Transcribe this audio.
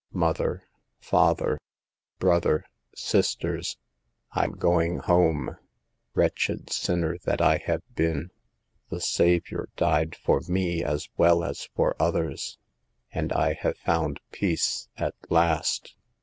" Mother, father, brother, sisters, I'm going home ; wretched sinner that I have been, the Saviour died for me as well as for others, and I have found peace at last.